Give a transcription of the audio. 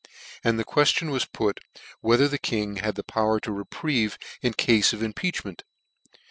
And the queftion was put, whether the King had power to reprieve, in cafe of impeachment